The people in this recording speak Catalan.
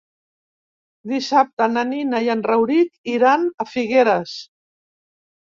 Dissabte na Nina i en Rauric iran a Figueres.